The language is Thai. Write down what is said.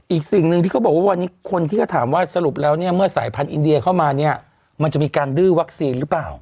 อีกสิ่งหนึ่งที่เขาบอกว่าวันนี้คนที่เขาถามว่าสรุปแล้วเนี่ยเมื่อสายพันธุอินเดียเข้ามาเนี่ยมันจะมีการดื้อวัคซีนหรือเปล่า